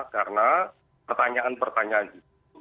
karena pertanyaan pertanyaan itu